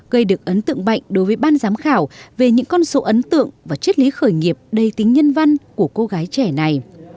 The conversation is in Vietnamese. gây được ấn tượng mạnh đối với ban giám khảo về những con số ấn tượng và chất lý khởi nghiệp đầy tính nhân văn của cô gái trẻ này